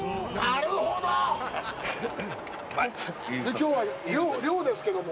きょうは漁ですけども。